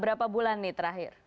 berapa bulan nih terakhir